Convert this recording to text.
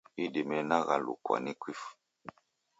Idime naghalukwa ni kifu.